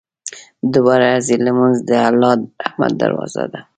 • د ورځې لمونځ د الله د رحمت دروازه ده.